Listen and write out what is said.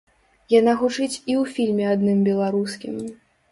Яна гучыць і ў фільме адным беларускім.